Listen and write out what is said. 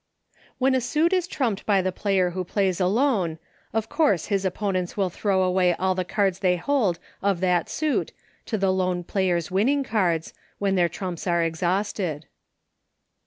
PLAYING ALONE. 55 When a suit is trumped by the player who Plays Alone, of course his opponents will throw away all the cards they hold of that suit to the lone player's winning cards, when their trumps are exhausted.